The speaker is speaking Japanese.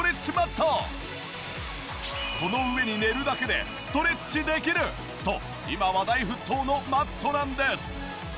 この上に寝るだけでストレッチできると今話題沸騰のマットなんです。